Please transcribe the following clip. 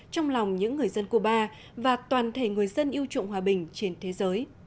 trong lòng những người dân cuba và toàn thể người dân yêu trụng hòa bình trên thế giới